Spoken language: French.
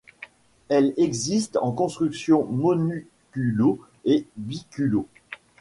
Elles existent en construction monoculot et biculot.